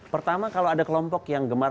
pertama kalau ada kelompok yang gemar